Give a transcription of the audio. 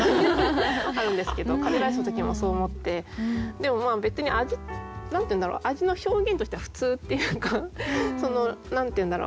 あるんですけどカレーライスの時もそう思ってでもまあ別に味味の表現としては普通っていうか何て言うんだろう